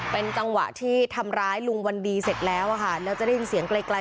เป็นจังหวะที่ทำร้ายลุงวันดีเสร็จแล้วอะค่ะแล้วจะได้ยินเสียงไกลไกล